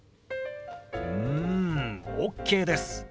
うんＯＫです。